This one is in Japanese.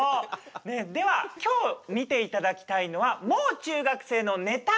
では今日見ていただきたいのはもう中学生のネタビュッフェ！